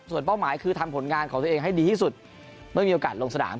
ส่วนเป้าหมายคือทำผลงานของตัวเองให้ดีที่สุดเมื่อมีโอกาสลงสนาม